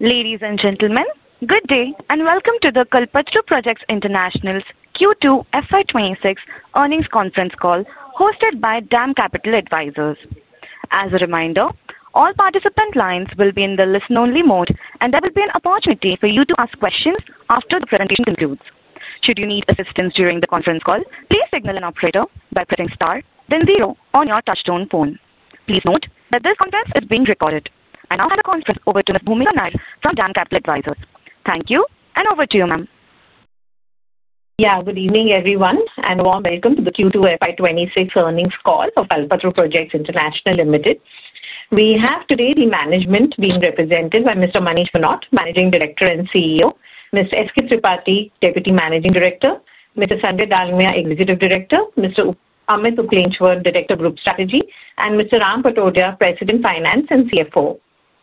Ladies and gentlemen, good day and welcome to the Kalpataru Projects International's Q2 FY 206 earnings conference call hosted by DAM Capital Advisors. As a reminder, all participant lines will be in the listen-only mode, and there will be an opportunity for you to ask questions after the presentation concludes. Should you need assistance during the conference call, please signal an operator by pressing star, then zero on your touch-tone phone. Please note that this conference is being recorded. I now hand the conference over to Ms. Bhoomika Nair from DAM Capital Advisors. Thank you, and over to you, ma'am. Yeah, good evening, everyone, and warm welcome to the Q2 FY 2026 earnings call of Kalpataru Projects International Limited. We have today the management being represented by Mr. Manish Mohnot, Managing Director and CEO, Mr. S.K. Tripathi, Deputy Managing Director, Mr. Sanjay Dalmia, Executive Director, Mr. Amit Uplenchwar, Director of Group Strategy, and Mr. Ram Patodia, President, Finance and CFO.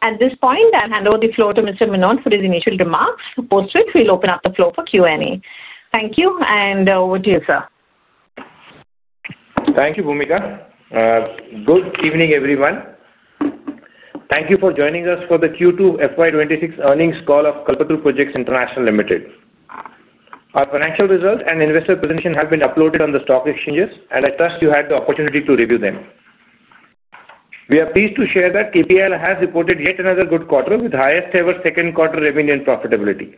At this point, I'll hand over the floor to Mr. Mohnot for his initial remarks. Post it, we'll open up the floor for Q&A. Thank you, and over to you, sir. Thank you, Bhoomika. Good evening, everyone. Thank you for joining us for the Q2 FY 2026 earnings call of Kalpataru Projects International Limited. Our financial results and investor presentation have been uploaded on the stock exchanges, and I trust you had the opportunity to review them. We are pleased to share that KPIL has reported yet another good quarter with highest-ever second-quarter revenue and profitability.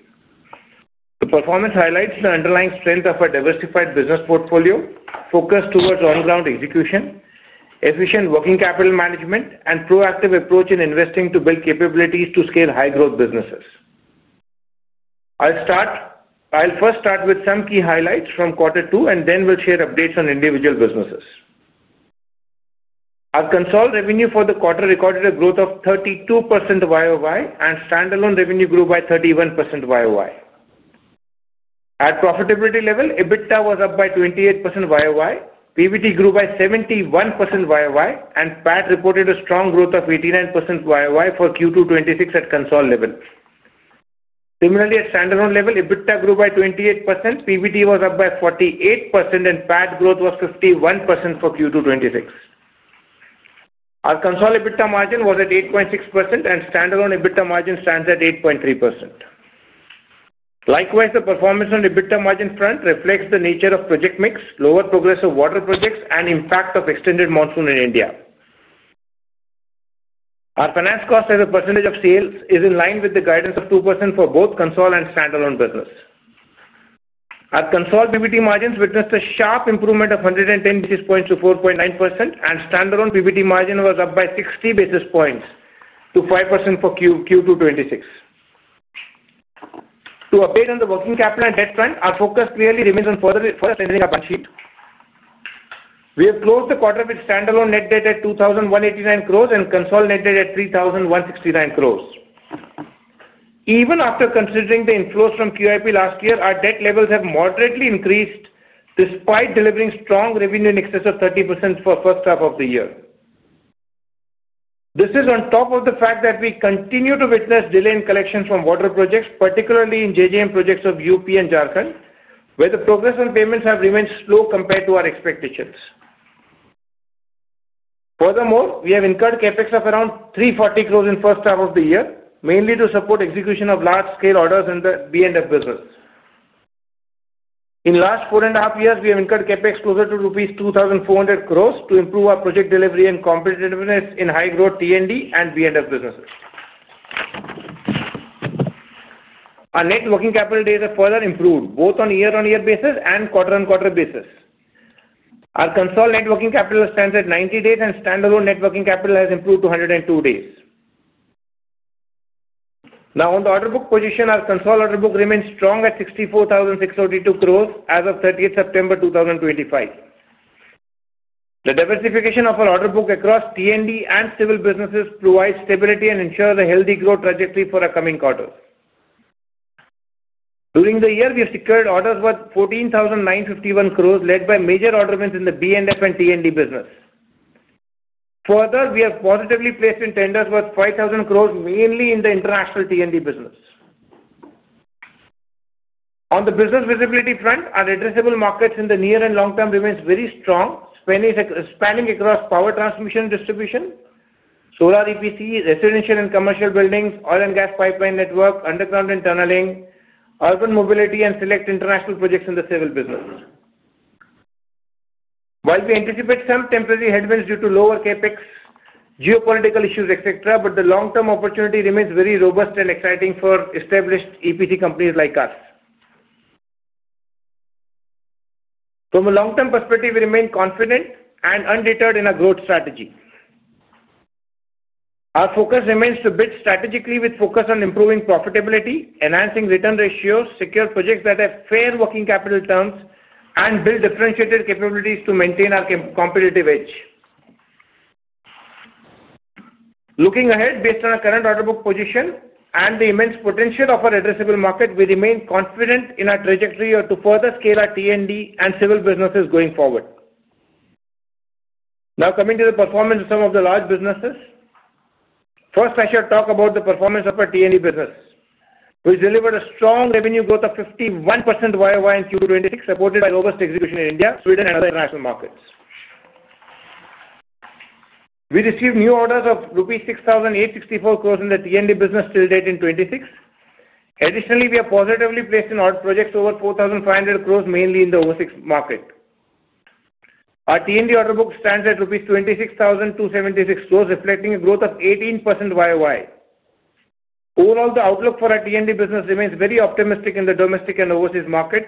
The performance highlights the underlying strength of a diversified business portfolio focused towards on-ground execution, efficient working capital management, and a proactive approach in investing to build capabilities to scale high-growth businesses. I'll first start with some key highlights from quarter two, and then we'll share updates on individual businesses. Our consolidated revenue for the quarter recorded a growth of 32% YoY and standalone revenue grew by 31% YoY. At profitability level, EBITDA was up by 28% YoY, PBT grew by 71% YoY, and PAT reported a strong growth of 89% YoY for Q2 FY 2026 at consolidated level. Similarly, at standalone level, EBITDA grew by 28%, PBT was up by 48%, and PAT growth was 51% for Q2 2026. Our consolidated EBITDA margin was at 8.6%, and standalone EBITDA margin stands at 8.3%. Likewise, the performance on EBITDA margin front reflects the nature of project mix, lower progressive water projects, and impact of extended monsoon in India. Our finance cost as a percentage of sales is in line with the guidance of 2% for both consolidated and standalone business. Our consolidated PBT margins witnessed a sharp improvement of 110 basis points to 4.9%, and standalone PBT margin was up by 60 basis points to 5% for Q2 2026. To update on the working capital and debt front, our focus clearly remains on further strengthening of our sheet. We have closed the quarter with standalone net debt at 2,189 crore and consolidated net debt at 3,169 crore. Even after considering the inflows from QIP last year, our debt levels have moderately increased despite delivering strong revenue in excess of 30% for the first half of the year. This is on top of the fact that we continue to witness delay in collections from water projects, particularly in JJM projects of UP and Jharkhand, where the progress on payments has remained slow compared to our expectations. Furthermore, we have incurred CapEx of around 340 crore in the first half of the year, mainly to support execution of large-scale orders in the B&F business. In the last four and a half years, we have incurred CapEx closer to rupees 2,400 crore to improve our project delivery and competitiveness in high-growth T&D and B&F businesses. Our net working capital days have further improved, both on a year-on-year basis and quarter-on-quarter basis. Our consolidated net working capital stands at 90 days, and standalone net working capital has improved to 102 days. Now, on the order book position, our consolidated order book remains strong at 64,642 crore as of 30th September 2025. The diversification of our order book across T&D and civil businesses provides stability and ensures a healthy growth trajectory for our coming quarters. During the year, we have secured orders worth 14,951 crore, led by major order wins in the B&F and T&D business. Further, we have positively placed in tenders worth 5,000 crore, mainly in the international T&D business. On the business visibility front, our addressable markets in the near and long term remain very strong, spanning across Power Transmission & Distribution, Solar EPC, Residential & Commercial buildings, Oil & Gas pipeline network, underground and tunneling, urban mobility, and select international projects in the civil business. While we anticipate some temporary headwinds due to lower CapEx, geopolitical issues, etc., the long-term opportunity remains very robust and exciting for established EPC companies like us. From a long-term perspective, we remain confident and undeterred in our growth strategy. Our focus remains to bid strategically with a focus on improving profitability, enhancing return ratios, securing projects that have fair working capital terms, and building differentiated capabilities to maintain our competitive edge. Looking ahead, based on our current order book position and the immense potential of our addressable market, we remain confident in our trajectory to further scale our T&D and civil businesses going forward. Now, coming to the performance of some of the large businesses. First, I shall talk about the performance of our T&D business, which delivered a strong revenue growth of 51% YoY in Q2 2026, supported by robust execution in India, Sweden, and other international markets. We received new orders of rupee 6,864 crore in the T&D business till date in 2026. Additionally, we have positively placed in order projects over 4,500 crore rupees, mainly in the overseas market. Our T&D order book stands at 26,276 crore rupees, reflecting a growth of 18% YoY. Overall, the outlook for our T&D business remains very optimistic in the domestic and overseas market,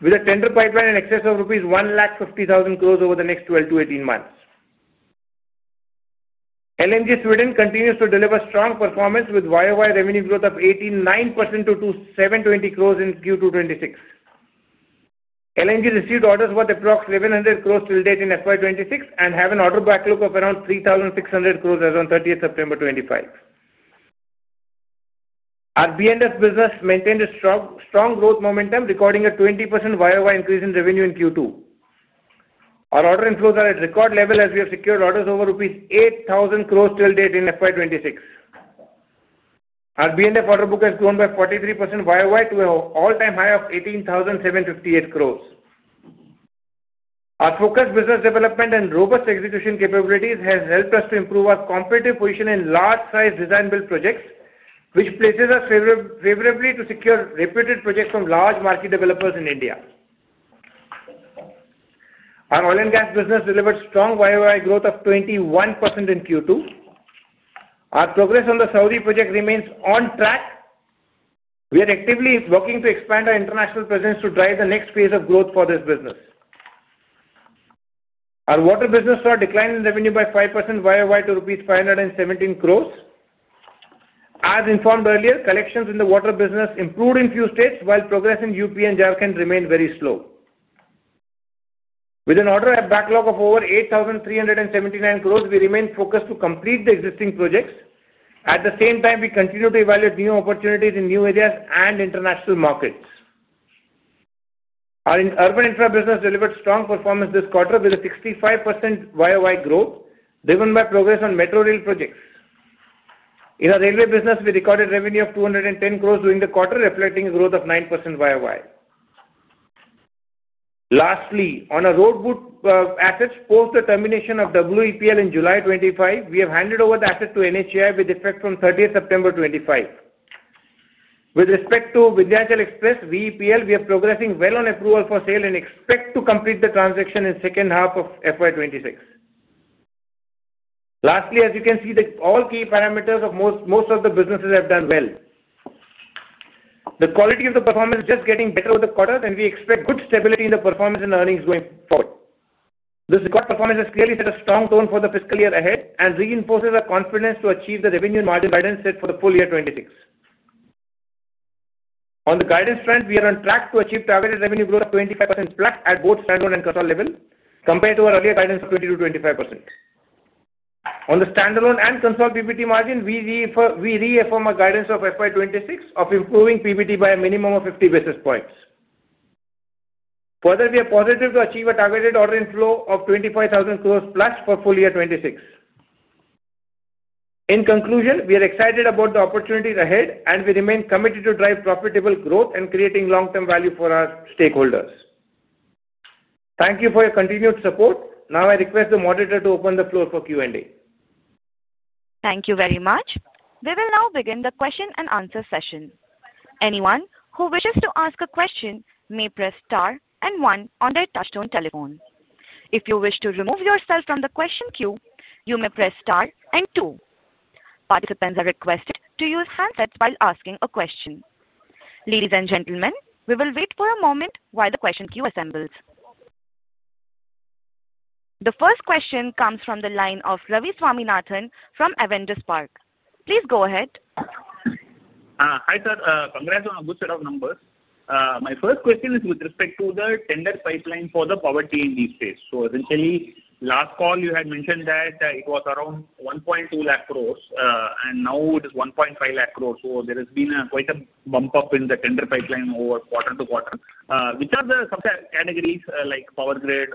with a tender pipeline in excess of rupees 150,000 crore over the next 12-18 months. LMG Sweden continues to deliver strong performance with YoY revenue growth of 89% to 2,720 crore in Q2 2026. LMG received orders worth approximately 1,100 crore till date in FY 2026 and has an order backlog of around 3,600 crore as of 30th September 2025. Our B&F business maintained a strong growth momentum, recording a 20% YoY increase in revenue in Q2. Our order inflows are at record level as we have secured orders over rupees 8,000 crore till date in FY 2026. Our B&F order book has grown by 43% YoY to an all-time high of 18,758 crore. Our focused business development and robust execution capabilities have helped us to improve our competitive position in large-sized design-build projects, which places us favorably to secure reputed projects from large market developers in India. Our Oil & Gas business delivered strong YoY growth of 21% in Q2. Our progress on the Saudi project remains on track. We are actively working to expand our international presence to drive the next phase of growth for this business. Our Water business saw a decline in revenue by 5% YoY to rupees 517 crore. As informed earlier, collections in the Water business improved in a few states, while progress in UP and Jharkhand remained very slow. With an order backlog of over 8,379 crore, we remain focused to complete the existing projects. At the same time, we continue to evaluate new opportunities in new areas and international markets. Our Urban Infrastructure business delivered strong performance this quarter with a 65% YoY growth, driven by progress on metro rail projects. In our Railway business, we recorded revenue of 210 crore during the quarter, reflecting a growth of 9% YoY. Lastly, on our Road BOOT assets, post the termination of WEPL in July 2025, we have handed over the asset to NHAI with effect from 30th September 2025. With respect to Vindhyachal Express VEPL, we are progressing well on approval for sale and expect to complete the transaction in the second half of FY 2026. Lastly, as you can see, all key parameters of most of the businesses have done well. The quality of the performance is just getting better over the quarter, and we expect good stability in the performance and earnings going forward. This recorded performance has clearly set a strong tone for the fiscal year ahead and reinforces our confidence to achieve the revenue and margin guidance set for the full year 2026. On the guidance front, we are on track to achieve targeted revenue growth of 25%+ at both standalone and consolidated level, compared to our earlier guidance of 22%-25%. On the standalone and consolidated PBT margin, we reaffirm our guidance of FY 2026 of improving PBT by a minimum of 50 basis points. Further, we are positive to achieve a targeted order inflow of 25,000+ crore for full year 2026. In conclusion, we are excited about the opportunities ahead, and we remain committed to driving profitable growth and creating long-term value for our stakeholders. Thank you for your continued support. Now, I request the moderator to open the floor for Q&A. Thank you very much. We will now begin the question-and-answer session. Anyone who wishes to ask a question may press star and one on their touch-tone telephone. If you wish to remove yourself from the question queue, you may press star and two. Participants are requested to use handsets while asking a question. Ladies and gentlemen, we will wait for a moment while the question queue assembles. The first question comes from the line of Ravi Swaminathan from Spark Advisors. Please go ahead. Hi sir, congrats on a good set of numbers. My first question is with respect to the tender pipeline for the power T&D space. Last call you had mentioned that it was around 1.2 lakh crore, and now it is 1.5 lakh crore. There has been quite a bump up in the tender pipeline quarter to quarter. Which are the sub-categories like Power Grid,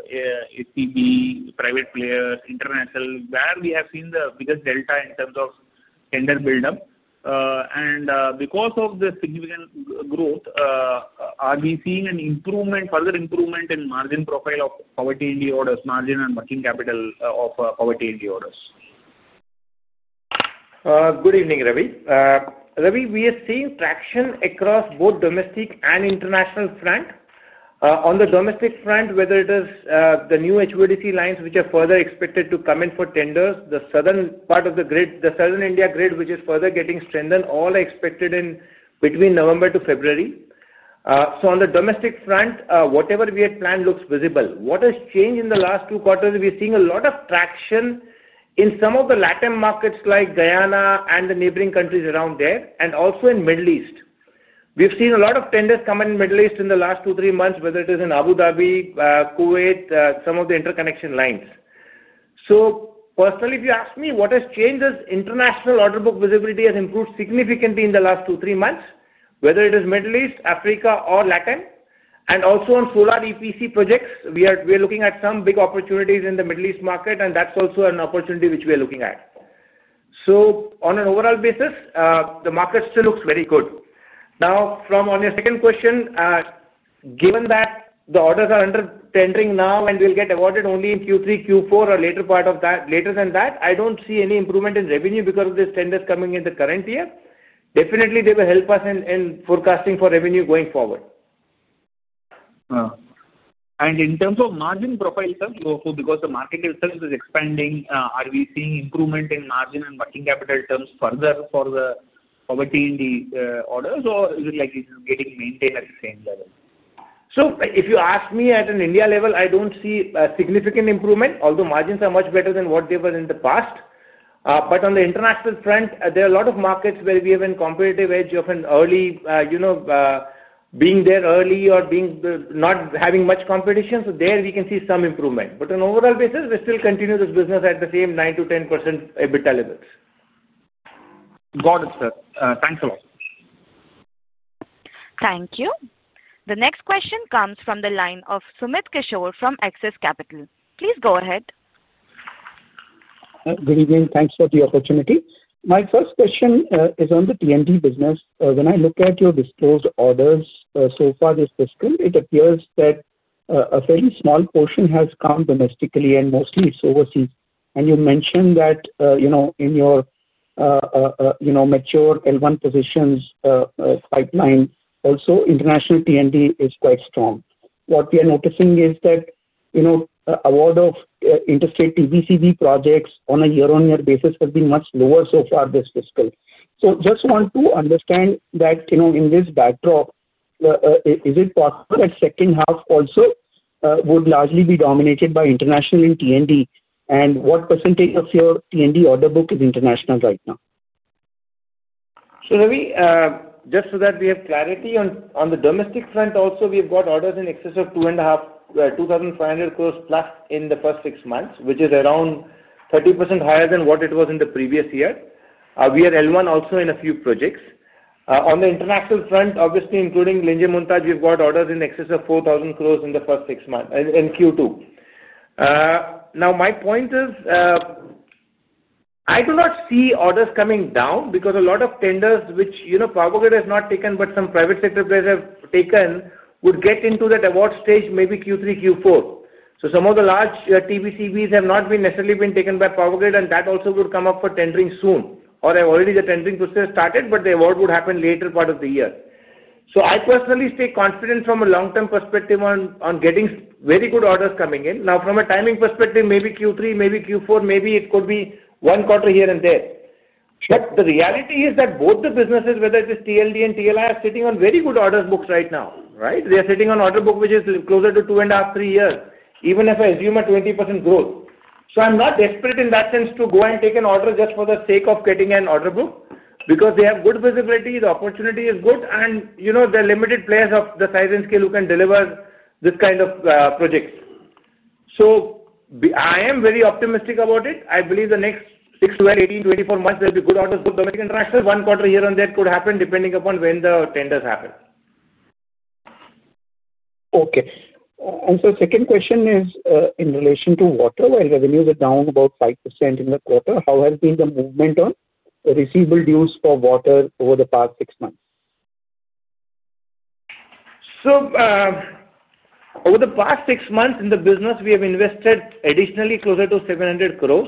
ACB, private players, international, where we have seen the biggest delta in terms of tender buildup? Because of the significant growth, are we seeing an improvement, further improvement in margin profile of power T&D orders, margin and working capital of power T&D orders? Good evening, Ravi. Ravi, we are seeing traction across both domestic and international front. On the domestic front, whether it is the new HVDC lines, which are further expected to come in for tenders, the southern part of the grid, the southern India grid, which is further getting strengthened, all are expected in between November to February. On the domestic front, whatever we had planned looks visible. What has changed in the last two quarters? We are seeing a lot of traction in some of the Latin America markets like Guyana and the neighboring countries around there, and also in the Middle East. We have seen a lot of tenders come in the Middle East in the last two, three months, whether it is in Abu Dhabi, Kuwait, some of the interconnection lines. Personally, if you ask me what has changed, international order book visibility has improved significantly in the last two, three months, whether it is Middle East, Africa, or Latin. Also, on Solar EPC projects, we are looking at some big opportunities in the Middle East market, and that's also an opportunity which we are looking at. On an overall basis, the market still looks very good. Now, from on your second question. Given that the orders are under tendering now and will get awarded only in Q3, Q4, or later part of that, later than that, I don't see any improvement in revenue because of these tenders coming in the current year. Definitely, they will help us in forecasting for revenue going forward. In terms of margin profile, sir, because the market itself is expanding, are we seeing improvement in margin and working capital terms further for the power T&D orders, or is it like it is getting maintained at the same level? If you ask me at an India level, I don't see a significant improvement, although margins are much better than what they were in the past. On the international front, there are a lot of markets where we have a competitive edge of being there early or not having much competition. There, we can see some improvement. On an overall basis, we still continue this business at the same 9%-10% EBITDA levels. Got it, sir. Thanks a lot. Thank you. The next question comes from the line of Sumit Kishore from Axis Capital. Please go ahead. Good evening. Thanks for the opportunity. My first question is on the T&D business. When I look at your disclosed orders so far this fiscal year, it appears that a fairly small portion has come domestically and mostly it's overseas. You mentioned that in your mature L1 positions, the pipeline, also international T&D is quite strong. What we are noticing is that a lot of interstate TBCB projects on a year-on-year basis have been much lower so far this fiscal. I just want to understand that in this backdrop, is it possible that the second half also would largely be dominated by international in T&D? What percentage of your T&D order book is international right now? Sumit, just so that we have clarity, on the domestic front also, we have got orders in excess of 2,500+ crore in the first six months, which is around 30% higher than what it was in the previous year. We are L1 also in a few projects. On the international front, obviously including LMG Sweden, we've got orders in excess of 4,000 crore in the first six months in Q2. My point is, I do not see orders coming down because a lot of tenders which Power Grid has not taken, but some private sector players have taken, would get into that award stage maybe Q3, Q4. Some of the large TBCBs have not necessarily been taken by Power Grid, and that also would come up for tendering soon. Already the tendering process started, but the award would happen later part of the year. I personally stay confident from a long-term perspective on getting very good orders coming in. From a timing perspective, maybe Q3, maybe Q4, maybe it could be one quarter here and there. The reality is that both the businesses, whether it is T&D and TLI, are sitting on very good order books right now, right? They are sitting on order book which is closer to two and a half, three years, even if I assume a 20% growth. I'm not desperate in that sense to go and take an order just for the sake of getting an order book because they have good visibility, the opportunity is good, and they're limited players of the size and scale who can deliver this kind of projects. I am very optimistic about it. I believe the next 6 -18, 24 months, there will be good orders for domestic and international. One quarter here and there could happen depending upon when the tenders happen. Okay. The second question is in relation to water. While revenues are down about 5% in the quarter, how has been the movement on the receivable dues for water over the past six months? Over the past six months in the business, we have invested additionally closer to 700 crore.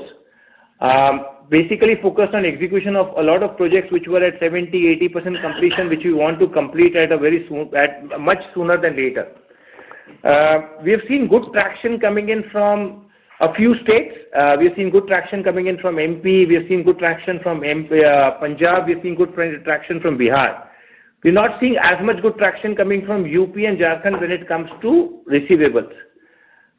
Basically focused on execution of a lot of projects which were at 70%, 80% completion, which we want to complete much sooner than later. We have seen good traction coming in from a few states. We have seen good traction coming in from MP. We have seen good traction from Punjab. We have seen good traction from Bihar. We're not seeing as much good traction coming from UP and Jharkhand when it comes to receivables.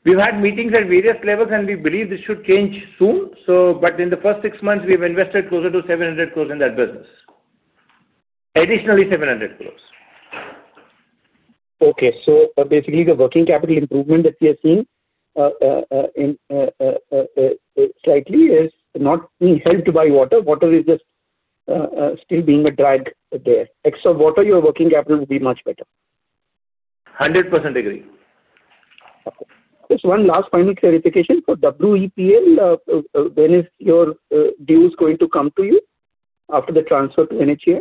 We've had meetings at various levels, and we believe this should change soon. In the first six months, we have invested closer to 700 crore in that business. Additionally, 700 crore. Okay. Basically, the working capital improvement that we are seeing slightly is not being helped by Water. Water is just still being a drag there. Extra Water, your working capital will be much better. 100% agree. Okay. Just one last final clarification for WEPL. When is your dues going to come to you after the transfer to NHAI?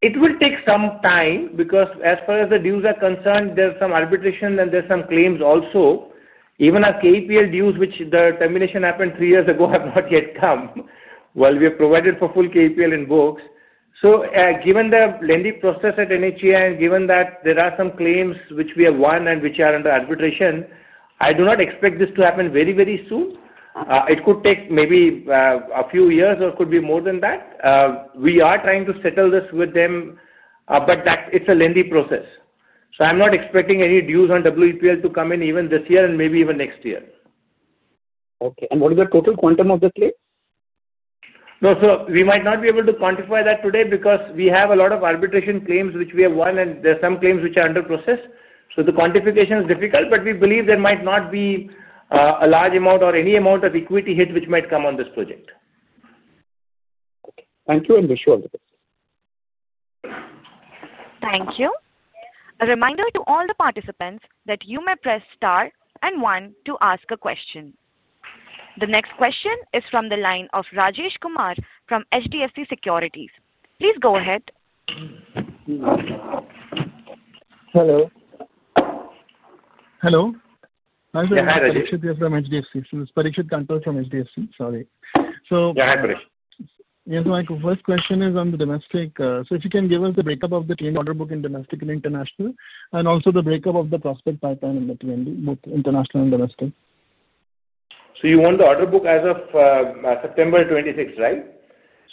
It will take some time because as far as the dues are concerned, there's some arbitration and there's some claims also. Even our KEPL dues, which the termination happened three years ago, have not yet come while we have provided for full KEPL in books. Given the lending process at NHAI and given that there are some claims which we have won and which are under arbitration, I do not expect this to happen very, very soon. It could take maybe a few years or could be more than that. We are trying to settle this with them, but it's a lending process. I'm not expecting any dues on WEPL to come in even this year and maybe even next year. Okay. What is the total quantum of the claim? No, sir, we might not be able to quantify that today because we have a lot of arbitration claims which we have won, and there are some claims which are under process. The quantification is difficult, but we believe there might not be a large amount or any amount of equity hit which might come on this project. Okay. Thank you. We'll show you. Thank you. A reminder to all the participants that you may press star and one to ask a question. The next question is from the line of Rajesh Kumar from HDFC Securities. Please go ahead. Hello. Hello. Yeah, hi. I should be from HDFC. This is Parikshit Kandpal from HDFC. Sorry. Yeah, hi, Parikshit. Yes, my first question is on the domestic. If you can give us the breakup of the T&D order book in domestic and international, and also the breakup of the prospect pipeline in the T&D, both international and domestic. You want the order book as of September 26th, right?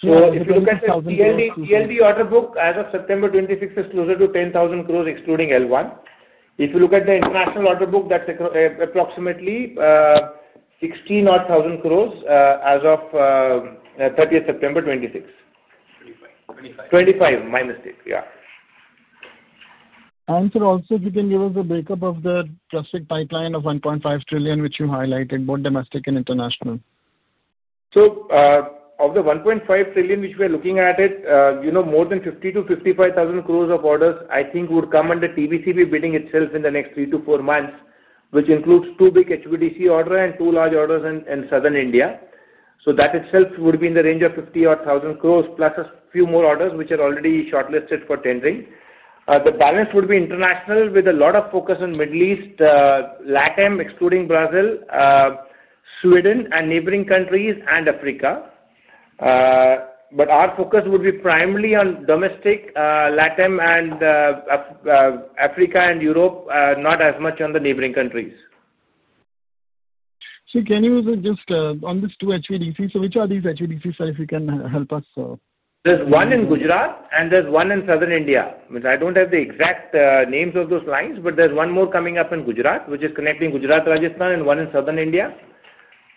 If you look at the T&D order book as of September 26th, it's closer to 10,000 crore excluding L1. If you look at the international order book, that's approximately 16,000 crore as of September 30th, 2026. 2025. My mistake. Yeah. Sir, also, if you can give us the breakup of the domestic pipeline of 1.5 trillion which you highlighted, both domestic and international. Of the 1.5 trillion which we are looking at, more than 50,000 crore-55,000 crores of orders, I think, would come under TBCB bidding itself in the next three to four months, which includes two big HVDC orders and two large orders in southern India. That itself would be in the range of 50,000 crores plus a few more orders which are already shortlisted for tendering. The balance would be international with a lot of focus on the Middle East, LATAM excluding Brazil, Sweden and neighboring countries, and Africa. Our focus would be primarily on domestic, LATAM, Africa, and Europe, not as much on the neighboring countries. Can you just on these two HVDC, which are these HVDCs, sir, if you can help us? There's one in Gujarat and there's one in southern India. I don't have the exact names of those lines, but there's one more coming up in Gujarat, which is connecting Gujarat, Rajasthan, and one in southern India.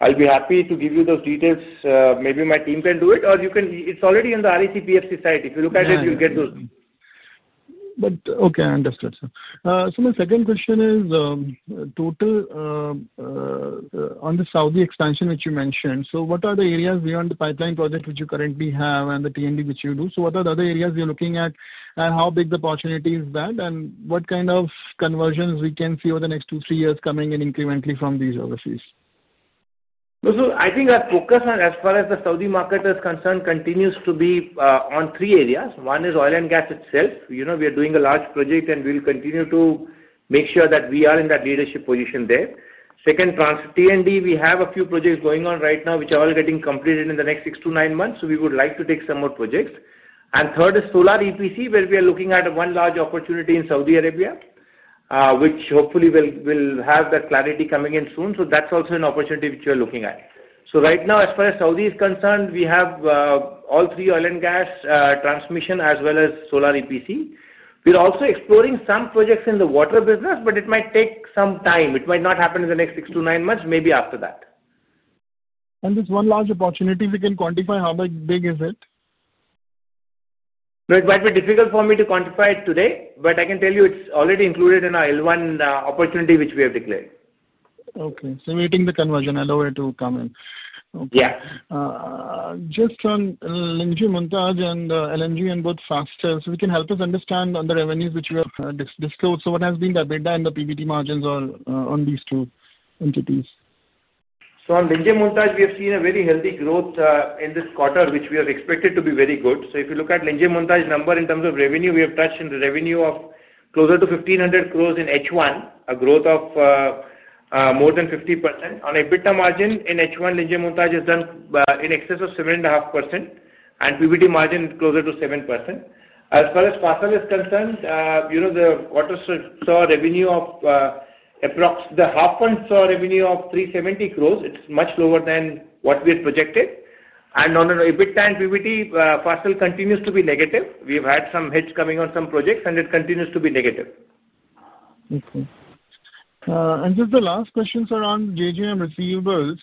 I'll be happy to give you those details. Maybe my team can do it, or it's already in the REC, PFC site. If you look at it, you'll get those. Okay, I understood, sir. My second question is on the Saudi expansion which you mentioned. What are the areas beyond the pipeline project which you currently have and the T&D which you do? What are the other areas you're looking at, and how big the opportunity is that, and what kind of conversions can we see over the next two, three years coming in incrementally from these overseas? I think our focus as far as the Saudi market is concerned continues to be on three areas. One is Oil & Gas itself. We are doing a large project, and we'll continue to make sure that we are in that leadership position there. Second, T&D, we have a few projects going on right now which are all getting completed in the next six to nine months. We would like to take some more projects. Third is Solar EPC, where we are looking at one large opportunity in Saudi Arabia, which hopefully will have that clarity coming in soon. That's also an opportunity which we are looking at. Right now, as far as Saudi is concerned, we have all three Oil & Gas, Transmission, as well as Solar EPC. We're also exploring some projects in the Water business, but it might take some time. It might not happen in the next six to nine months, maybe after that. This one large opportunity, can we quantify how big is it? It might be difficult for me to quantify it today, but I can tell you it's already included in our L1 opportunity, which we have declared. Okay, we're waiting for the conversion, allow it to come in. Yeah. Just on LMG Sweden and LNG and both fast, can you help us understand on the revenues which you have disclosed? What has been the EBITDA and the PBT margins on these two entities? On LMG Sweden, we have seen a very healthy growth in this quarter, which we have expected to be very good. If you look at LMG Sweden numbers in terms of revenue, we have touched revenue of closer to 1,500 crore in H1, a growth of more than 50%. On EBITDA margin in H1, LMG Sweden has done in excess of 7.5%, and PBT margin closer to 7%. As far as Fasttel is concerned, the Water business saw a revenue of approximately 370 crore. It's much lower than what we had projected. On EBITDA and PBT, Fasttel continues to be negative. We have had some hits coming on some projects, and it continues to be negative. Okay. Just the last question, sir, on JJM receivables.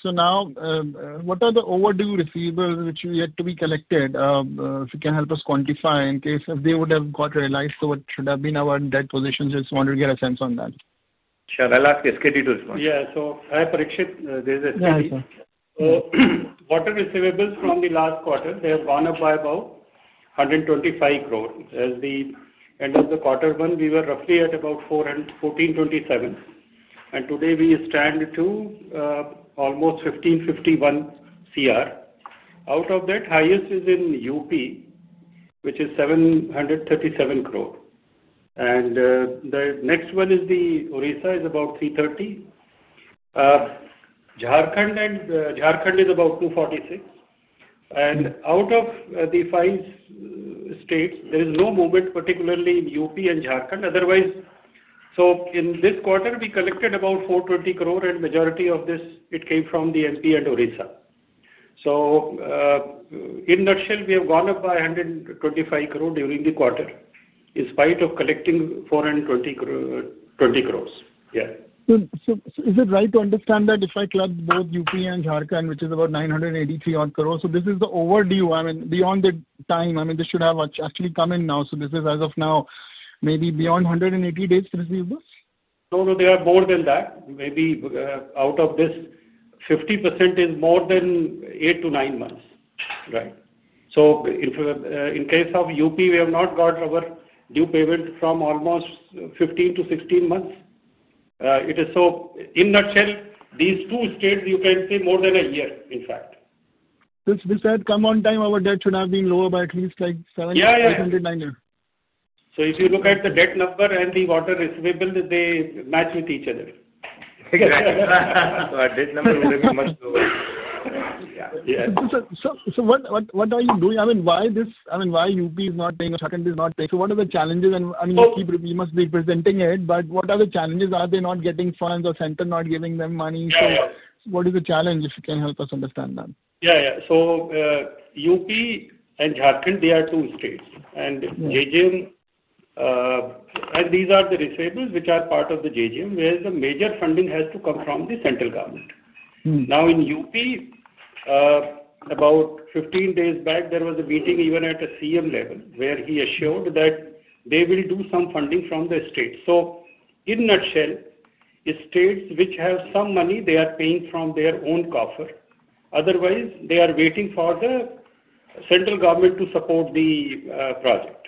What are the overdue receivables which you have yet to collect? If you can help us quantify, in case they would have been realized, what should have been our debt positions? Just want to get a sense on that. Sure. I'll ask S.K. to respond. Yeah. So. Hi Parikshit. There's S.K. So water receivables from the last quarter, they have gone up by about 125 crore. As the end of the quarter went, we were roughly at about 1,427 crore, and today we stand to almost 1,551 crore. Out of that, highest is in UP, which is 737 crore, and the next one is Orissa, about 330 crore. Jharkhand is about 246 crore. Out of the five states, there is no movement, particularly in UP and Jharkhand. Otherwise, in this quarter, we collected about 420 crore, and majority of this came from MP and Orissa. In a nutshell, we have gone up by 125 crore during the quarter, in spite of collecting 420 crore. Yeah. Is it right to understand that if I collect both UP and Jharkhand, which is about 983 crore, so this is the overdue, I mean, beyond the time, I mean, this should have actually come in now. This is, as of now, maybe beyond 180 days receivables? No, no, they are more than that. Maybe out of this, 50% is more than eight to nine months, right? In case of UP, we have not got our due payment from almost 15-16 months. In a nutshell, these two states, you can say more than a year, in fact. If this had come on time, our debt should have been lower by at least 700 million, 900 million. If you look at the debt number and the water receivables, they match with each other. Exactly. Our debt number would have been much lower. Yeah. Yeah. What are you doing? I mean, why this? I mean, why UP is not paying or Jharkhand is not paying? What are the challenges? I mean, we must be presenting it, but what are the challenges? Are they not getting funds or center not giving them money? What is the challenge, if you can help us understand that? Yeah, yeah. UP and Jharkhand, they are two states. And JJM. These are the receivables which are part of the JJM, whereas the major funding has to come from the central government. In UP, about 15 days back, there was a meeting even at a CM level where he assured that they will do some funding from the state. In a nutshell, states which have some money, they are paying from their own coffer. Otherwise, they are waiting for the central government to support the project.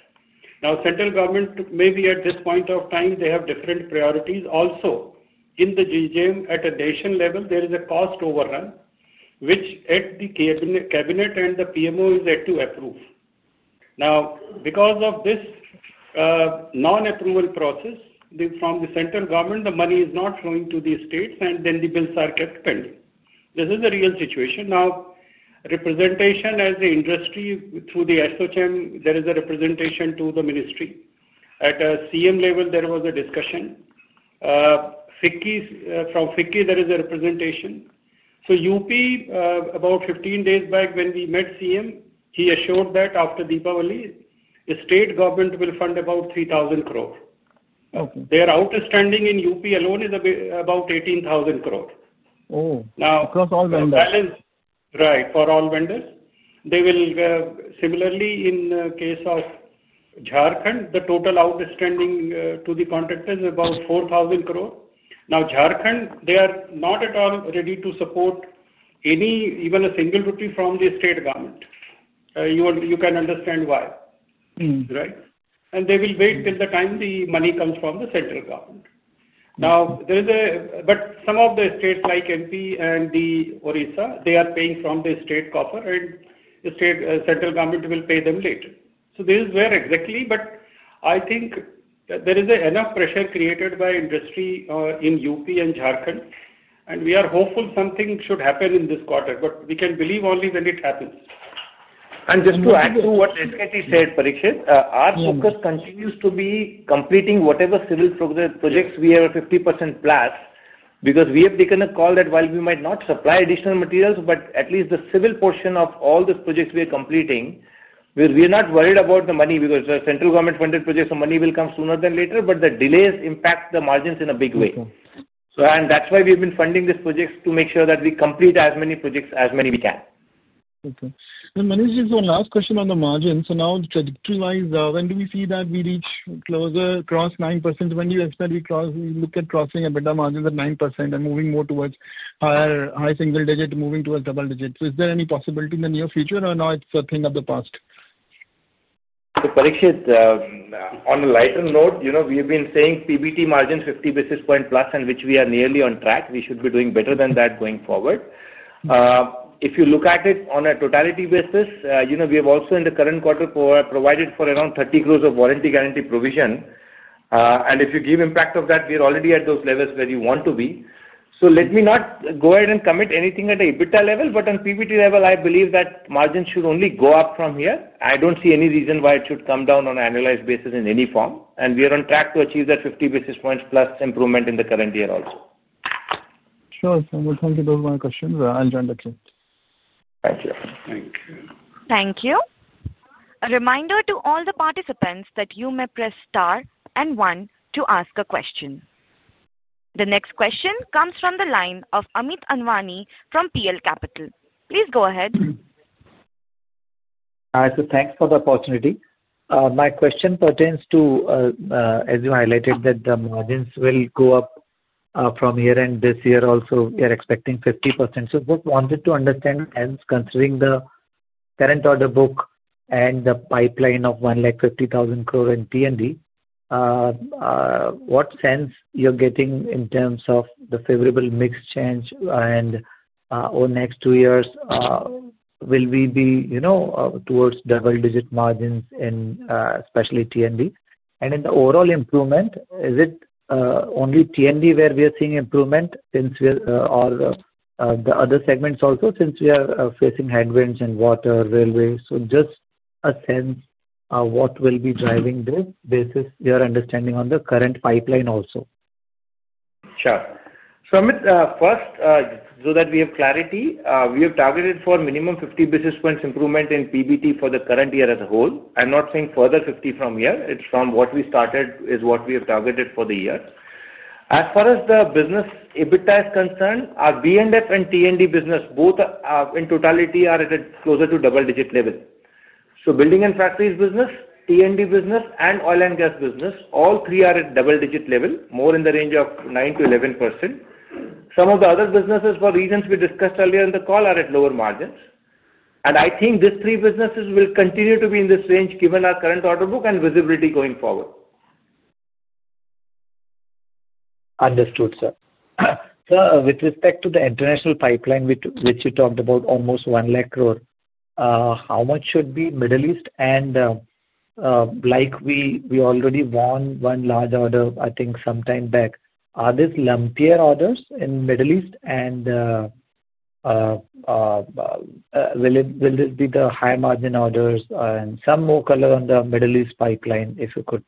Now, central government, maybe at this point of time, they have different priorities. Also, in the JJM, at a nation level, there is a cost overrun, which the cabinet and the PMO is yet to approve. Because of this non-approval process from the central government, the money is not flowing to the states, and then the bills are kept pending. This is the real situation. Representation as the industry through the SHOCHEM, there is a representation to the ministry. At a CM level, there was a discussion. From FICCI, there is a representation. UP, about 15 days back, when we met CM, he assured that after Deepavali, the state government will fund about 3,000 crore. Their outstanding in UP alone is about 18,000 crore. Oh, across all vendors. Now, the balance, right, for all vendors, they will similarly in case of Jharkhand, the total outstanding to the contractors is about 4,000 crore. Now, Jharkhand, they are not at all ready to support, even a single duty from the state government. You can understand why, right? They will wait till the time the money comes from the central government. There is a but some of the states like MP and Orissa, they are paying from the state coffer, and the central government will pay them later. This is where exactly, I think there is enough pressure created by industry in UP and Jharkhand, and we are hopeful something should happen in this quarter. We can believe only when it happens. Just to add to what S.K. said, Parikshit, our focus continues to be completing whatever civil projects we have a 50% blast because we have taken a call that while we might not supply additional materials, at least the civil portion of all the projects we are completing. We are not worried about the money because the central government funded projects, the money will come sooner than later, but the delays impact the margins in a big way. That's why we have been funding these projects to make sure that we complete as many projects as many we can. Okay. Manish, just one last question on the margins. Now, trajectory-wise, when do we see that we reach closer across 9%? When do you expect we look at crossing EBITDA margins at 9% and moving more towards high single digit, moving towards double digit? Is there any possibility in the near future, or now it's a thing of the past? Parikshit, on a lighter note, we have been saying PBT margin 50+ basis points, and which we are nearly on track. We should be doing better than that going forward. If you look at it on a totality basis, we have also in the current quarter provided for around 30 crore of warranty guarantee provision. If you give impact of that, we are already at those levels where you want to be. Let me not go ahead and commit anything at the EBITDA level, but on PBT level, I believe that margin should only go up from here. I don't see any reason why it should come down on an annualized basis in any form. We are on track to achieve that 50 basis points plus improvement in the current year also. Sure, sir. Thank you both for my questions. I'll join the chat. Thank you. Thank you. A reminder to all the participants that you may press star and one to ask a question. The next question comes from the line of Amit Anwani from PL Capital. Please go ahead. Thank you for the opportunity. My question pertains to, as you highlighted, that the margins will go up from here, and this year also, we are expecting 50%. I just wanted to understand, hence, considering the current order book and the pipeline of 150,000 crore in T&D. What sense you're getting in terms of the favorable mix change? Over the next two years, will we be towards double-digit margins, especially in T&D? In the overall improvement, is it only T&D where we are seeing improvement, or the other segments also, since we are facing headwinds in Water and Railway? Just a sense of what will be driving this, based on your understanding of the current pipeline also. Sure. Amit, first, so that we have clarity, we have targeted for minimum 50 basis points improvement in PBT for the current year as a whole. I'm not saying further 50 from here. It's from what we started is what we have targeted for the year. As far as the business EBITDA is concerned, our B&F and T&D business, both in totality, are at a closer to double-digit level. So Buildings & Factories business, T&D business, and Oil & Gas business, all three are at double-digit level, more in the range of 9%-11%. Some of the other businesses, for reasons we discussed earlier in the call, are at lower margins. I think these three businesses will continue to be in this range given our current order book and visibility going forward. Understood, sir. Sir, with respect to the international pipeline, which you talked about, almost 1 lakh crore, how much should be Middle East and like we already won one large order, I think, sometime back, are these lumpier orders in Middle East? Will this be the high-margin orders and some more color on the Middle East pipeline, if you could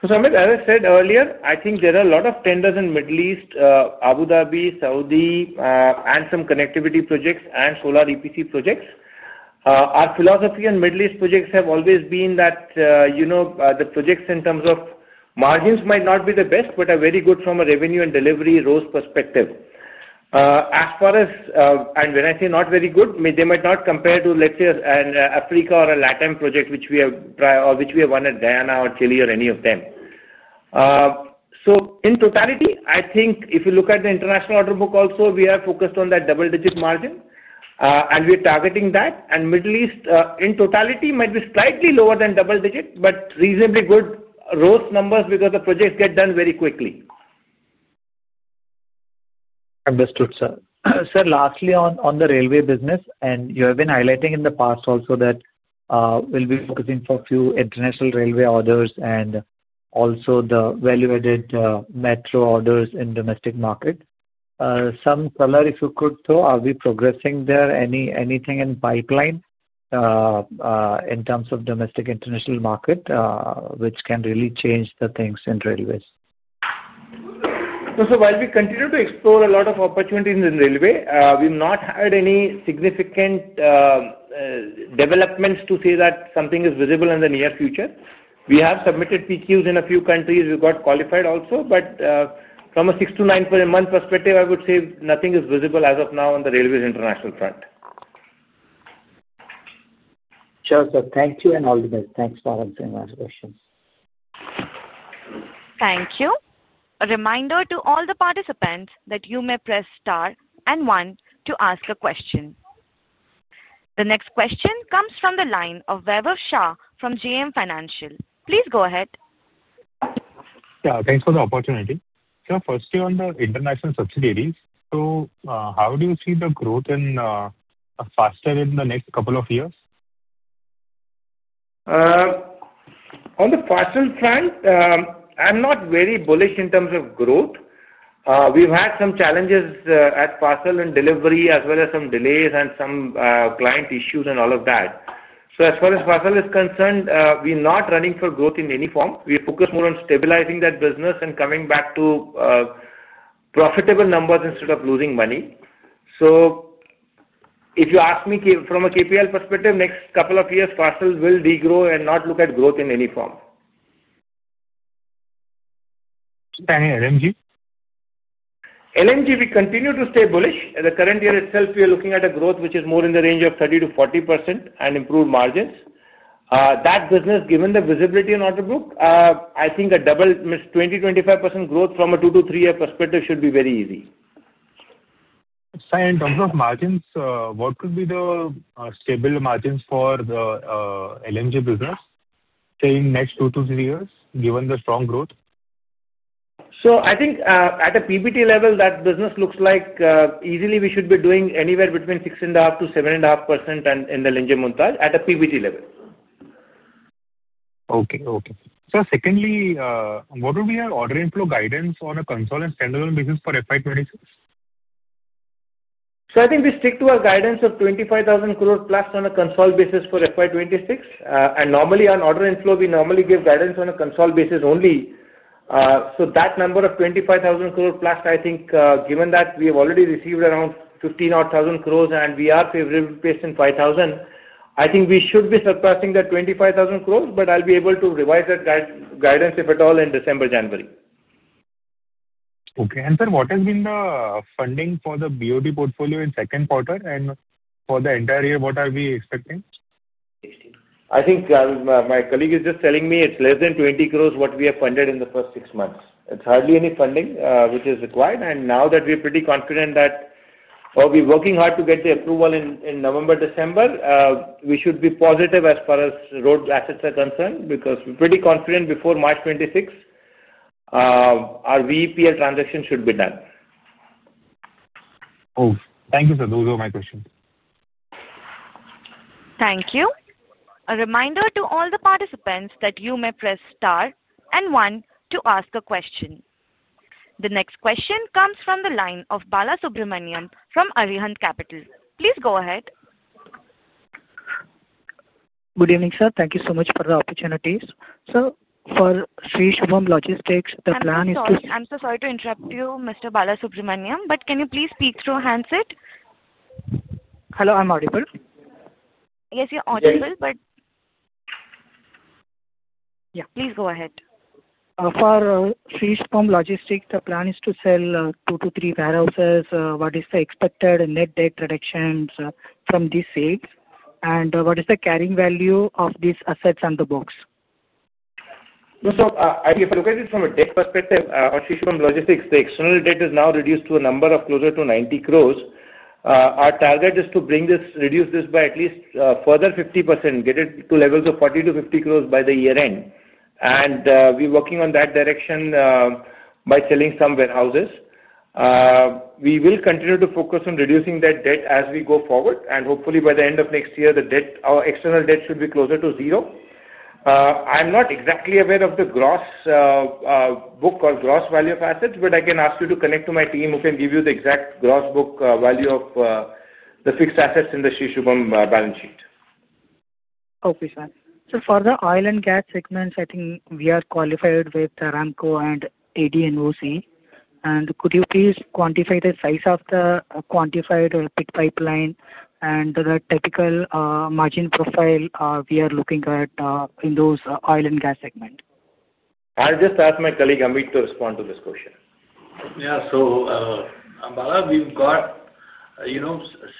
provide? Amit, as I said earlier, I think there are a lot of tenders in Middle East, Abu Dhabi, Saudi, and some connectivity projects and Solar EPC projects. Our philosophy on Middle East projects has always been that the projects in terms of margins might not be the best, but are very good from a revenue and delivery rose perspective. As far as, and when I say not very good, they might not compare to, let's say, an Africa or a LATAM project which we have won at Guyana or Chile or any of them. In totality, I think if you look at the international order book also, we are focused on that double-digit margin, and we are targeting that. Middle East, in totality, might be slightly lower than double-digit, but reasonably good rose numbers because the projects get done very quickly. Understood, sir. Sir, lastly, on the Railway business, and you have been highlighting in the past also that we'll be focusing for a few international Railway orders and also the value-added metro orders in domestic market. Some color, if you could throw, are we progressing there? Anything in pipeline. In terms of domestic international market, which can really change the things in Railways? While we continue to explore a lot of opportunities in Railway, we've not had any significant developments to say that something is visible in the near future. We have submitted PQs in a few countries, we got qualified also. From a six to nine month perspective, I would say nothing is visible as of now on the Railways international front. Sure, sir. Thank you and all the best. Thanks for answering my questions. Thank you. A reminder to all the participants that you may press star and one to ask a question. The next question comes from the line of Deven Shah from JM Financial. Please go ahead. Thanks for the opportunity. Sir, firstly, on the international subsidiaries, how do you see the growth and faster in the next couple of years? On the fossil front, I'm not very bullish in terms of growth. We've had some challenges at fossil and delivery, as well as some delays and some client issues and all of that. As far as fossil is concerned, we are not running for growth in any form. We are focused more on stabilizing that business and coming back to profitable numbers instead of losing money. If you ask me from a KPIL perspective, next couple of years, fossil will regrow and not look at growth in any form. Any LMG? Sweden, we continue to stay bullish. The current year itself, we are looking at a growth which is more in the range of 30%-40% and improved margins. That business, given the visibility in order book, I think a double 20%-25% growth from a two to three-year perspective should be very easy. Sir, in terms of margins, what could be the stable margins for the LMG business in the next two to three years, given the strong growth? I think at a PBT level, that business looks like easily we should be doing anywhere between 6.5%-7.5% in the LNG montage at a PBT level. Okay. Sir, secondly, what would be your order inflow guidance on a consolidated standalone business for FY 2026? I think we stick to our guidance of 25,000+ crore on a consolidated basis for FY 2026. Normally, on order inflow, we give guidance on a consolidated basis only. That number of 25,000+ crore, I think, given that we have already received around 15,000 crore and we are favorable based on 5,000 crore, I think we should be surpassing that 25,000 crore, but I'll be able to revise that guidance, if at all, in December or January. Okay. Sir, what has been the funding for the B&F portfolio in the second quarter? For the entire year, what are we expecting? I think my colleague is just telling me it's less than 20 crore what we have funded in the first six months. It's hardly any funding which is required. Now that we are pretty confident, we're working hard to get the approval in November, December. We should be positive as far as road assets are concerned because we're pretty confident before March 2026 our VEPL transaction should be done. Thank you, sir. Those are my questions. Thank you. A reminder to all the participants that you may press star and one to ask a question. The next question comes from the line of Balasubramanian A from Arihant Capital. Please go ahead. Good evening, sir. Thank you so much for the opportunities. Sir, for Shree Shubham Logistics, the plan is to. I'm sorry to interrupt you, Mr. Balasubramanian, but can you please speak through handset? Hello, I'm audible. Yes, you're audible. Yeah. Please go ahead. For Shree Shubham Logistics, the plan is to sell two to three warehouses. What is the expected net debt reduction from these sales? What is the carrying value of these assets on the books? If I look at it from a debt perspective, Shree Shubham Logistics, the external debt is now reduced to a number closer to 90 crore. Our target is to reduce this by at least a further 50%, get it to levels of 40 crore-50 crore by the year end. We're working in that direction by selling some warehouses. We will continue to focus on reducing that debt as we go forward. Hopefully, by the end of next year, our external debt should be closer to zero. I'm not exactly aware of the gross book or gross value of assets, but I can ask you to connect to my team who can give you the exact gross book value of the fixed assets in the Shree Shubham balance sheet. Okay, sir. For the Oil & Gas segments, I think we are qualified with Aramco and ADNOC. Could you please quantify the size of the quantified or picked pipeline and the technical margin profile we are looking at in those Oil & Gas segments? I'll just ask my colleague Amit to respond to this question. Yeah, so Bala, we've got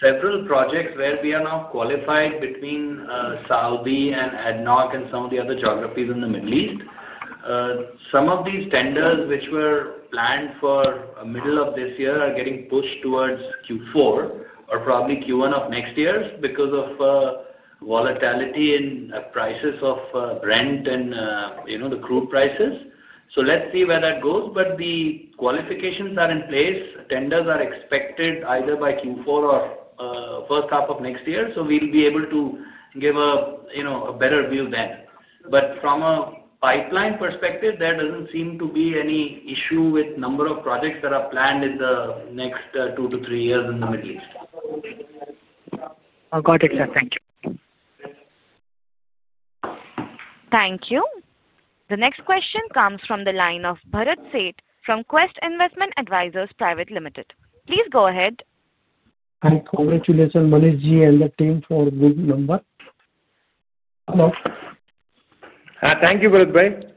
several projects where we are now qualified between Saudi and ADNOC and some of the other geographies in the Middle East. Some of these tenders which were planned for middle of this year are getting pushed towards Q4 or probably Q1 of next year because of volatility in prices of rent and the crude prices. Let's see where that goes. The qualifications are in place. Tenders are expected either by Q4 or first half of next year. We'll be able to give a better view then. From a pipeline perspective, there doesn't seem to be any issue with the number of projects that are planned in the next two to three years in the Middle East. I've got it, sir. Thank you. Thank you. The next question comes from the line of Bharat Sheth from Quest Investment Advisors Pvt Ltd. Please go ahead. Congratulations, [Manishji] and the team for good number. Hello. Thank you, Bharatbhai.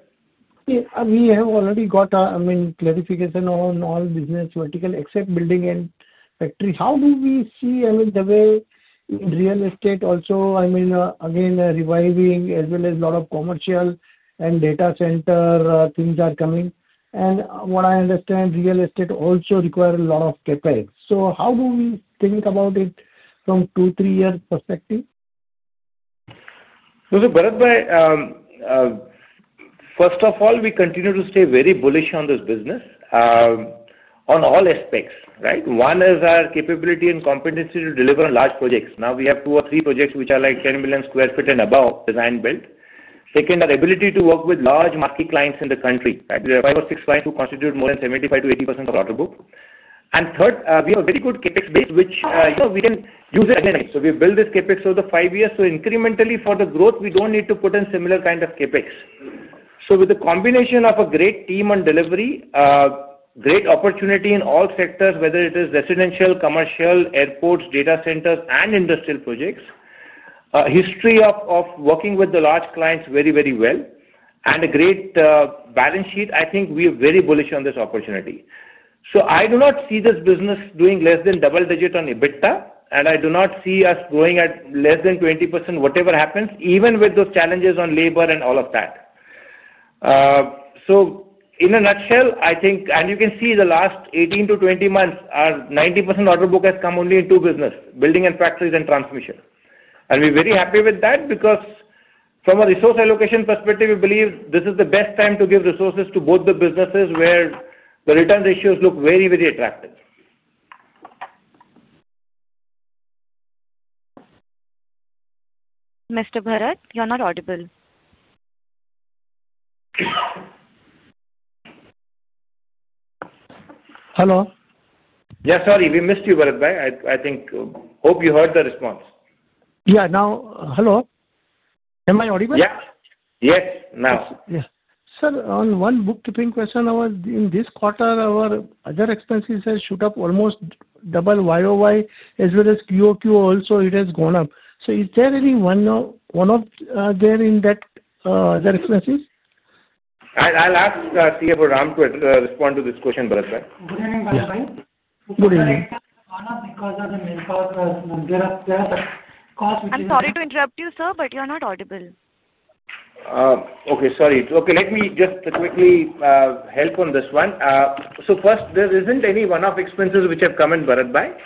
We have already got a clarification on all business verticals except Buildings & Factories. How do we see, I mean, the way in real estate also, I mean, again, reviving as well as a lot of commercial and data center things are coming. What I understand, real estate also requires a lot of CapEx. How do we think about it from a two to three-year perspective? Bharatbhai, first of all, we continue to stay very bullish on this business on all aspects, right? One is our capability and competency to deliver on large projects. Now we have two or three projects which are like 10 million sq t and above design built. Second, our ability to work with large market clients in the country, right? There are five or six clients who constitute more than 75%-80% of the order book. Third, we have a very good CapEx base, which we can use again. We built this CapEx over the five years. Incrementally, for the growth, we don't need to put in similar kind of CapEx. With the combination of a great team on delivery, great opportunity in all sectors, whether it is residential, commercial, airports, data centers, and industrial projects, history of working with the large clients very, very well, and a great balance sheet, I think we are very bullish on this opportunity. I do not see this business doing less than double digit on EBITDA, and I do not see us growing at less than 20%, whatever happens, even with those challenges on labor and all of that. In a nutshell, I think, and you can see the last 18-20 months, our 90% order book has come only in two businesses: Buildings & Factories and Transmission. We're very happy with that because from a resource allocation perspective, we believe this is the best time to give resources to both the businesses where the return ratios look very, very attractive. Mr. Bharat, you're not audible. Hello? Yeah, sorry, we missed you, Bharatbhai. I hope you heard the response. Hello, am I audible? Yes, now. Yes. Sir, on one bookkeeping question, in this quarter, our other expenses have shot up almost double YoY as well as QoQ also, it has gone up. Is there any one-off there in that other expenses? I'll ask Ram to respond to this question, Bharatbhai. Good evening, Bharatbhai. Good evening. Because of the cost. I'm sorry to interrupt you, sir, but you're not audible. Okay, let me just quickly help on this one. First, there isn't any one-off expenses which have come in, Bharatbhai.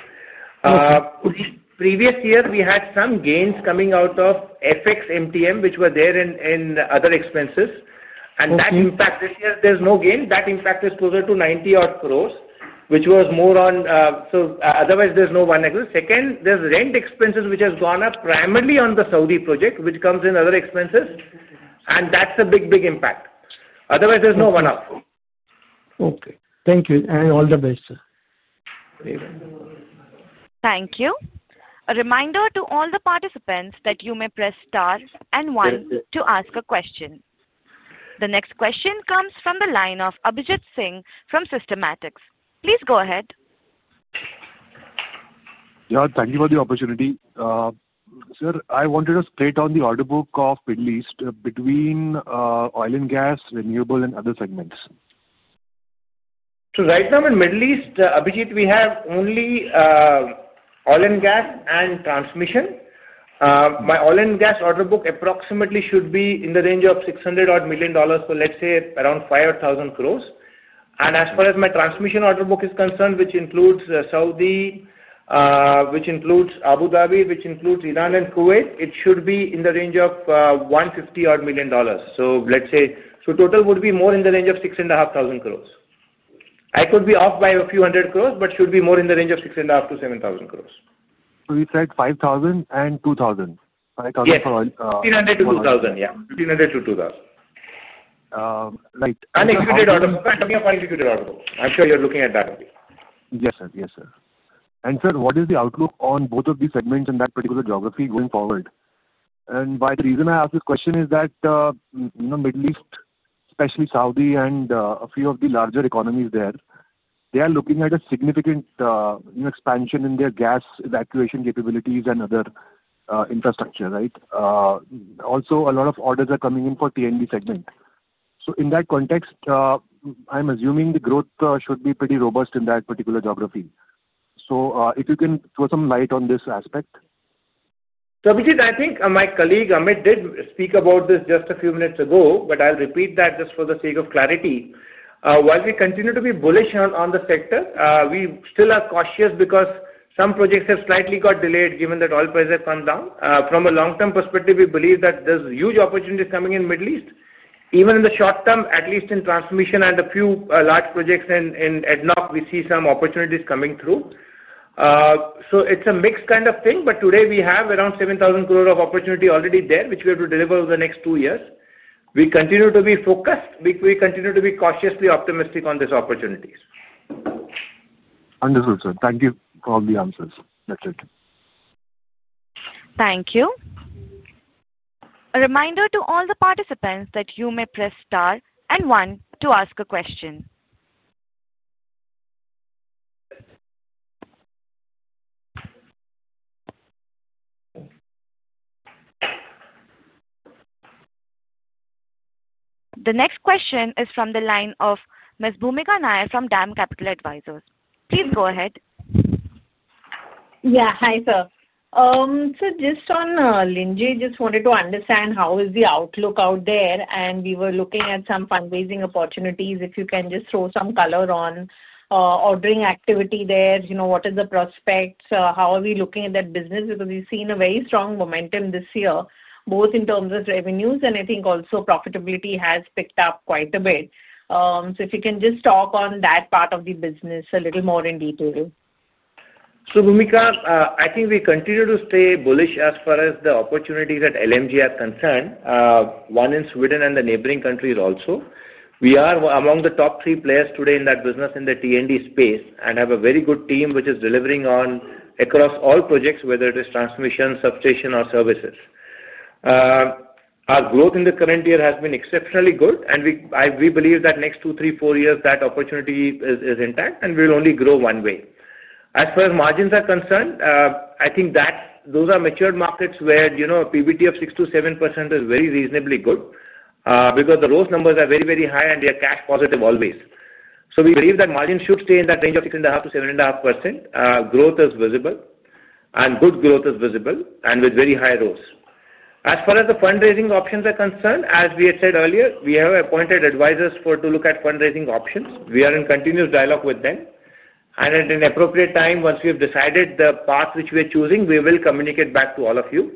Previous year, we had some gains coming out of FX MTM, which were there in other expenses. That impact this year, there's no gain. That impact is closer to 90 crore, which was more on. Otherwise, there's no one exit. Second, there's rent expenses which have gone up primarily on the Saudi project, which comes in other expenses. That's a big, big impact. Otherwise, there's no one-off. Okay, thank you. All the best, sir. Thank you. Thank you. A reminder to all the participants that you may press star and one to ask a question. The next question comes from the line of Abhijeet Singh from Systematix. Please go ahead. Yeah, thank you for the opportunity. Sir, I wanted to straight on the order book of Middle East between Oil & Gas, renewable, and other segments. Right now in the Middle East, Abhijeet, we have only Oil & Gas and Transmission. My Oil & Gas order book approximately should be in the range of $600 million, so let's say around 5,000 crores. As far as my Transmission order book is concerned, which includes Saudi, Abu Dhabi, Iran, and Kuwait, it should be in the range of $150 million. Total would be more in the range of 6,500 crores. I could be off by a few hundred crores, but should be more in the range of 6,500 crores-7,000 crores. You said 5,000 and 2,000 crore? 5,000 crore for. Yes, 1,500-2,000, yeah. 1,500-2,000. Right. Unexecuted order book. I'm sure you're looking at that one. Yes, sir. And sir, what is the outlook on both of these segments in that particular geography going forward? The reason I ask this question is that the Middle East, especially Saudi and a few of the larger economies there, are looking at a significant expansion in their gas evacuation capabilities and other infrastructure, right? Also, a lot of orders are coming in for the T&D segment. In that context, I'm assuming the growth should be pretty robust in that particular geography. If you can throw some light on this aspect. Abhijeet, I think my colleague Amit did speak about this just a few minutes ago, but I'll repeat that just for the sake of clarity. While we continue to be bullish on the sector, we still are cautious because some projects have slightly got delayed given that oil prices have come down. From a long-term perspective, we believe that there's huge opportunities coming in the Middle East. Even in the short term, at least in Transmission and a few large projects in ADNOC, we see some opportunities coming through. It's a mixed kind of thing, but today we have around 7,000 crore of opportunity already there, which we have to deliver over the next two years. We continue to be focused. We continue to be cautiously optimistic on these opportunities. Understood, sir. Thank you for all the answers. That's it. Thank you. A reminder to all the participants that you may press star and one to ask a question. The next question is from the line of Ms. Bhoomika Nair from DAM Capital Advisors. Please go ahead. Yeah, hi, sir. Just on LMG, just wanted to understand how is the outlook out there, and we were looking at some fundraising opportunities. If you can just throw some color on ordering activity there, what are the prospects? How are we looking at that business? We've seen a very strong momentum this year, both in terms of revenues, and I think also profitability has picked up quite a bit. If you can just talk on that part of the business a little more in detail. Bhoomika, I think we continue to stay bullish as far as the opportunities at LMG are concerned, one in Sweden and the neighboring countries also. We are among the top three players today in that business in the T&D space and have a very good team which is delivering across all projects, whether it is transmission, substation, or services. Our growth in the current year has been exceptionally good, and we believe that next two, three, four years, that opportunity is intact, and we will only grow one way. As far as margins are concerned, I think those are matured markets where a PBT of 6%-7% is very reasonably good because the ROS numbers are very, very high, and they are cash positive always. We believe that margins should stay in that range of 6.5%-7.5%. Growth is visible, and good growth is visible, and with very high ROS. As far as the fundraising options are concerned, as we had said earlier, we have appointed advisors to look at fundraising options. We are in continuous dialogue with them. At an appropriate time, once we have decided the path which we are choosing, we will communicate back to all of you.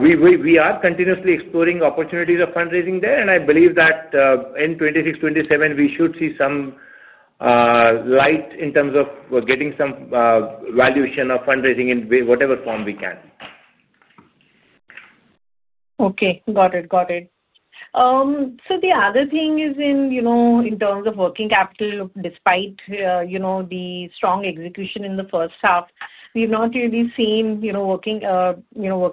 We are continuously exploring opportunities of fundraising there, and I believe that in 2026, 2027, we should see some light in terms of getting some valuation of fundraising in whatever form we can. Okay. Got it. Got it. In terms of working capital, despite the strong execution in the first half, we have not really seen working capital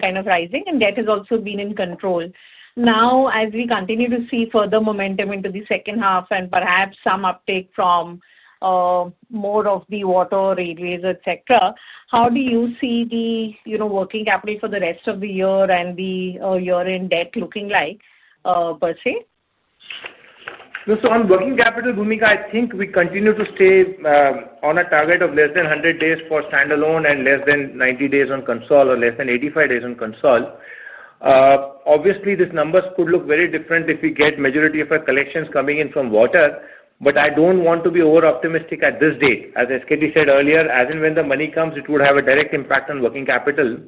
kind of rising, and that has also been in control. Now, as we continue to see further momentum into the second half and perhaps some uptake from more of the Water or Railways, etc., how do you see the working capital for the rest of the year and the year-end debt looking like per se? On working capital, Bhoomika, I think we continue to stay on a target of less than 100 days for standalone and less than 90 days on console or less than 85 days on console. Obviously, these numbers could look very different if we get majority of our collections coming in from water, but I don't want to be over-optimistic at this date. As S.K. said earlier, as and when the money comes, it would have a direct impact on working capital.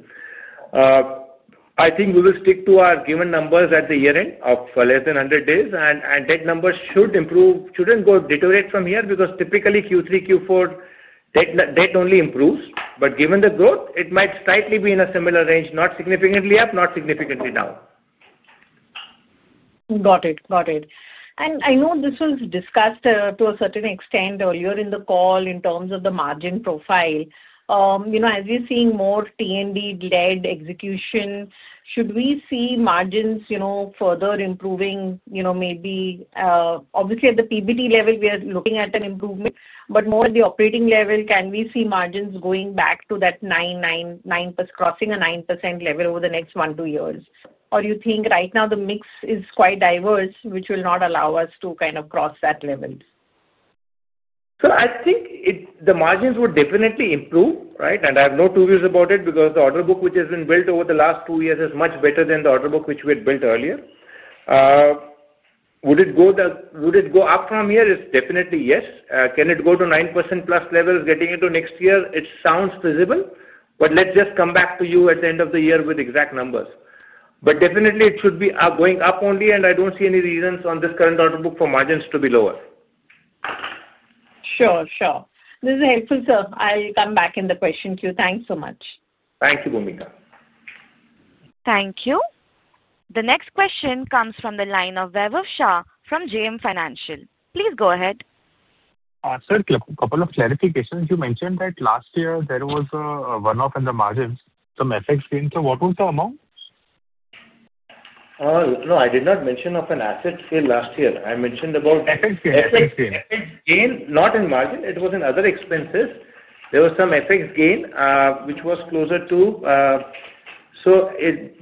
I think we will stick to our given numbers at the year-end of less than 100 days, and debt numbers shouldn't deteriorate from here because typically Q3, Q4, debt only improves. Given the growth, it might slightly be in a similar range, not significantly up, not significantly down. Got it. I know this was discussed to a certain extent earlier in the call in terms of the margin profile. As we're seeing more T&D-led execution, should we see margins further improving? Obviously, at the PBT level, we are looking at an improvement, but more at the operating level, can we see margins going back to that 9%? Crossing a 9% level over the next one to two years? Do you think right now the mix is quite diverse, which will not allow us to kind of cross that level? I think the margins would definitely improve, right? I have no two views about it because the order book which has been built over the last two years is much better than the order book which we had built earlier. Would it go up from here? It's definitely yes. Can it go to 9%+ levels getting into next year? It sounds feasible, but let's just come back to you at the end of the year with exact numbers. It should be going up only, and I don't see any reasons on this current order book for margins to be lower. Sure. This is helpful, sir. I'll come back in the question queue. Thanks so much. Thank you, Bhoomika. Thank you. The next question comes from the line of Vaibhav Shah from JM Financial. Please go ahead. Sir, a couple of clarifications. You mentioned that last year there was a one-off in the margins, some FX gain. What was the amount? No, I did not mention an asset sale last year. I mentioned about. FX gain. FX gain, not in margin. It was in other expenses. There was some FX gain, which was closer to.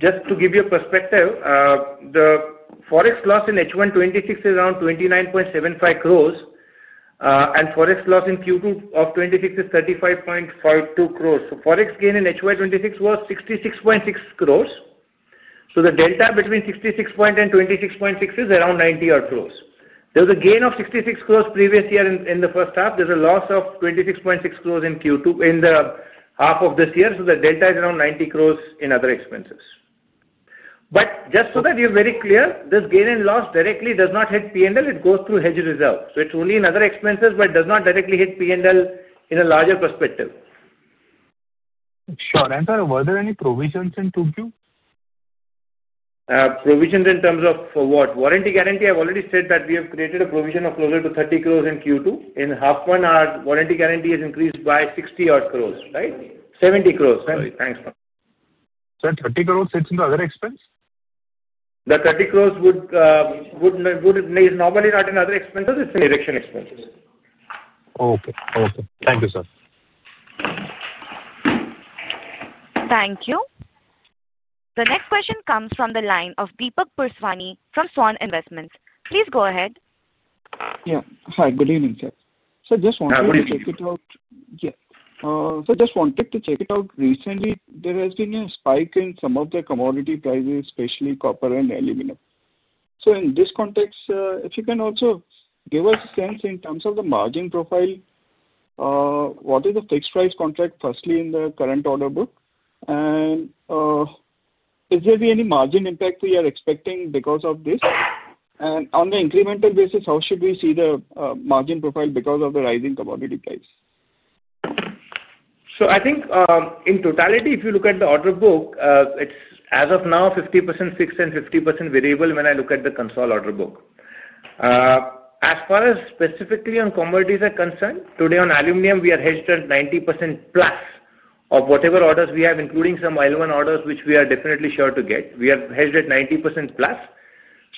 Just to give you a perspective, the Forex loss in HY 2026 is around 29.75 crore, and Forex loss in Q2 of 2026 is 35.52 crore. Forex gain in HY 2026 was 66.6 crore. The delta between 66.8 crore and 26.6 crore is around 90 crore. There was a gain of 66 crore previous year in the first half. There's a loss of 26.6 crore in the half of this year. The delta is around 90 crore in other expenses. Just so that you're very clear, this gain and loss directly does not hit P&L. It goes through hedge reserve. It's only in other expenses, but does not directly hit P&L in a larger perspective. Sure. Sir, were there any provisions in Q2? Provisions in terms of what? Warranty guarantee, I've already said that we have created a provision of closer to 30 crore in Q2. In half month, our warranty guarantee has increased by 60 odd crore, right? 70 crore. Sorry. Thanks. Sir, 30 crore sits in the other expense? The 30 crore would normally not be in other expenses. It's in election expenses. Okay. Thank you, sir. Thank you. The next question comes from the line of Deepak Purswani from Svan Investment. Please go ahead. Yeah, hi. Good evening, sir. Sir, just wanted to check it out. Good evening. Yeah. Sir, just wanted to check it out. Recently, there has been a spike in some of the commodity prices, especially copper and aluminum. In this context, if you can also give us a sense in terms of the margin profile. What is the fixed price contract, firstly, in the current order book? Is there any margin impact we are expecting because of this? On the incremental basis, how should we see the margin profile because of the rising commodity price? I think in totality, if you look at the order book, it's as of now, 50% fixed and 50% variable when I look at the consolidated order book. As far as specifically on commodities are concerned, today on aluminum, we are hedged at 90%+ of whatever orders we have, including some L1 orders, which we are definitely sure to get. We are hedged at 90%+.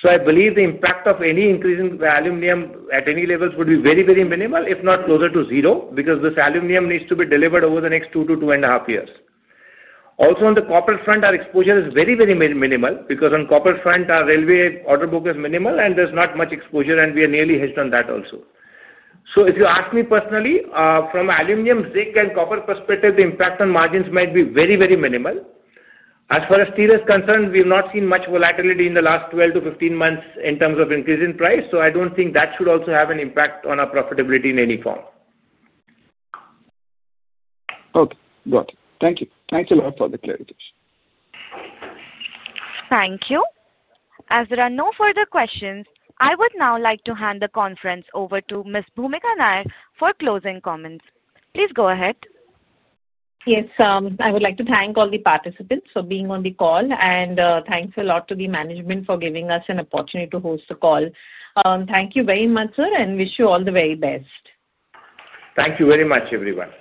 I believe the impact of any increase in aluminum at any levels would be very, very minimal, if not closer to zero, because this aluminum needs to be delivered over the next two to two and a half years. Also, on the copper front, our exposure is very, very minimal because on copper front, our Railway order book is minimal, and there's not much exposure, and we are nearly hedged on that also. If you ask me personally, from an aluminum, zinc, and copper perspective, the impact on margins might be very, very minimal. As far as steel is concerned, we have not seen much volatility in the last 12-15 months in terms of increase in price. I don't think that should also have an impact on our profitability in any form. Okay. Got it. Thank you. Thanks a lot for the clarification. Thank you. As there are no further questions, I would now like to hand the conference over to Ms. Bhoomika Nair for closing comments. Please go ahead. Yes, I would like to thank all the participants for being on the call, and thanks a lot to the management for giving us an opportunity to host the call. Thank you very much, sir, and wish you all the very best. Thank you very much, everyone.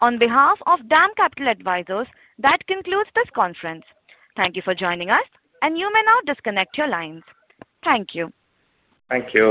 On behalf of DAM Capital Advisors, that concludes this conference. Thank you for joining us, and you may now disconnect your lines. Thank you. Thank you.